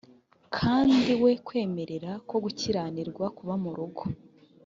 kandi we kwemera ko gukiranirwa kuba mu rugo